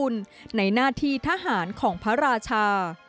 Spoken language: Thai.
ในหน้าที่ทหารของพระราชา